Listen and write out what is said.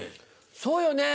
そうよね。